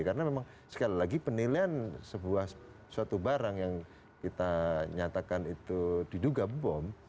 karena memang sekali lagi penilaian sebuah suatu barang yang kita nyatakan itu diduga bom